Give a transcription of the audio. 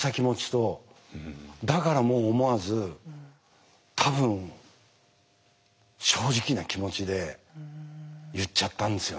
だからもう思わず多分正直な気持ちで言っちゃったんですよね。